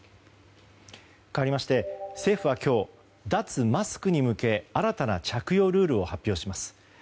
かわりまして、政府は今日脱マスクに向け新たな着用ルールを発表します。